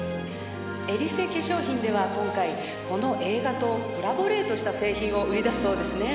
エリセ化粧品では今回この映画とコラボレートした製品を売り出すそうですね。